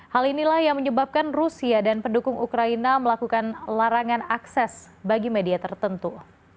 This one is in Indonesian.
hal inilah yang menyebabkan rusia dan pendukung ukraina melakukan larangan akses bagi media tertentu